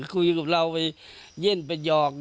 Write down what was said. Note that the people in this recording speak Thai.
คุยกับเราไปเย่นไปหยอก